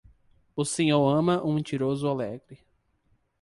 O Senhor ama um mentiroso alegre.